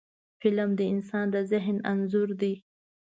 فلم د انسان د ذهن انځور دی